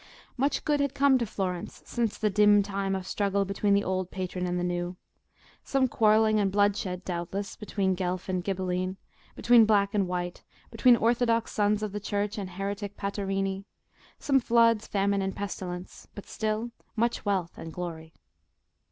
Much good had come to Florence since the dim time of struggle between the old patron and the new: some quarrelling and bloodshed, doubtless, between Guelf and Ghibelline, between Black and White, between orthodox sons of the Church and heretic Paterini; some floods, famine, and pestilence; but still much wealth and glory.